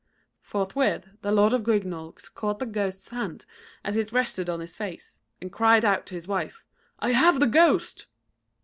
Forthwith, the Lord of Grignaulx caught the ghost's hand as it rested on his face, and cried out to his wife "I have the ghost!"